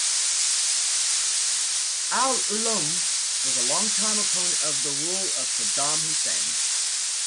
Al-Ulloum was a longtime opponent of the rule of Saddam Hussein.